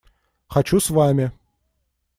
Хочу с вами!